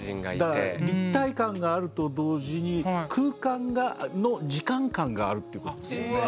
だから立体感があると同時に空間の時間感があるってことですよね。